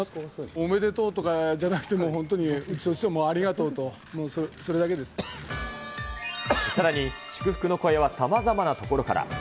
おめでとうとかじゃなくて、もう本当にありがとうと、もうそさらに、祝福の声はさまざまなところから。